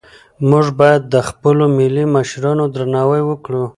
موږ باید د خپلو ملي مشرانو درناوی وکړو.